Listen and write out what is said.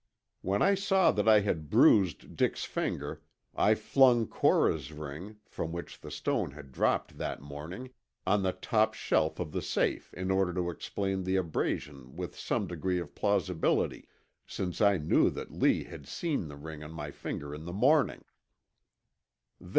"When I saw that I had bruised Dick's finger I flung Cora's ring, from which the stone had dropped that morning, on the top shelf of the safe in order to explain the abrasion with some degree of plausibility, since I knew that Lee had seen the ring on my finger in the morning.